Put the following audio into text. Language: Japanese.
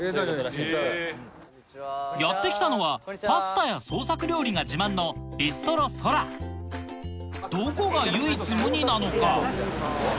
やって来たのはパスタや創作料理が自慢のどこが唯一無二なのか？